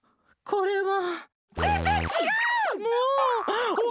ここれは。